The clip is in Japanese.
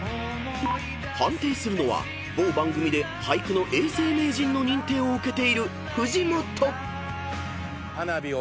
［判定するのは某番組で俳句の永世名人の認定を受けている藤本］